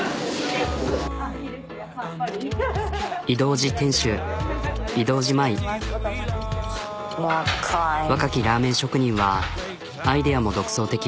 うん若きラーメン職人はアイデアも独創的。